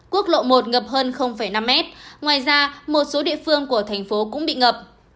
quốc lộ một ngập hơn năm mét ngoài ra một số địa phương của thành phố cũng bị ngập